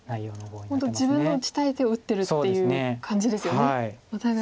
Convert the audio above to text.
本当自分の打ちたい手を打ってるっていう感じですよねお互いに。